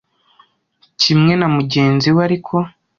Kimwe na mugenzi we ariko,